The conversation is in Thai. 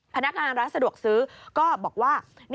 พนักงานร้านสะดวกซื้อก็บอกว่า